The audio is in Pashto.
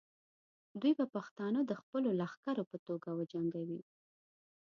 دوی به پښتانه د خپلو لښکرو په توګه وجنګوي.